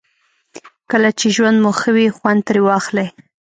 کله چې ژوند مو ښه وي خوند ترې واخلئ.